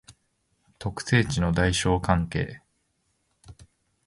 特性値の大小関係